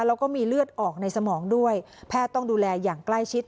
แล้วก็มีเลือดออกในสมองด้วยแพทย์ต้องดูแลอย่างใกล้ชิด